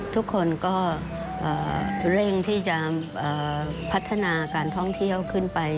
ทุกคนก็เร่งที่จะพัฒนาการท่องเที่ยวขึ้นไป